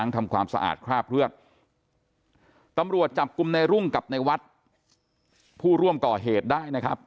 ตำรวจจับกุมในรุ่งกับในวัดผู้ร่วมก่อเหตุได้นะครับ